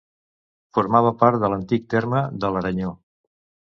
Formava part de l'antic terme de l'Aranyó.